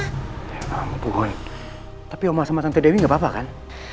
ya ampun tapi oma sama tante dewi gak apa apa kan